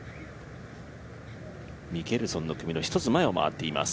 ミケルソンの組の１つ前を回っています。